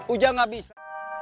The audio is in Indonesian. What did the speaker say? ujah gak bisa